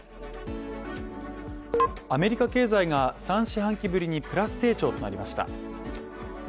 アメリカ経済が３四半期ぶりにプラス成長となりました。